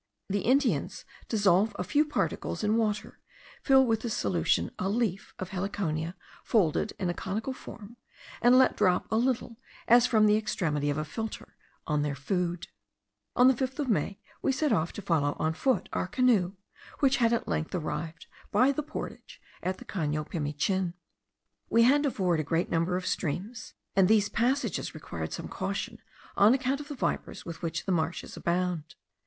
The Indians dissolve a few particles in water, fill with this solution a leaf of heliconia folded in a conical form, and let drop a little, as from the extremity of a filter, on their food. On the 5th of May we set off, to follow on foot our canoe, which had at length arrived, by the portage, at the Cano Pimichin. We had to ford a great number of streams; and these passages require some caution on account of the vipers with which the marshes abound.